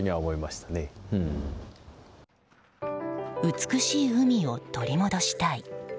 美しい海を取り戻したい。